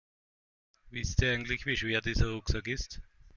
Wisst ihr eigentlich, wie schwer dieser Rucksack ist?